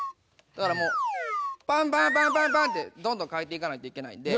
だからもうバンバンバンバンバンってどんどん変えていかないといけないんで。